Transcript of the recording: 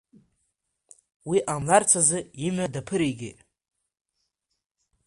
Уи ҟамларц азы, имҩа даԥыригеит.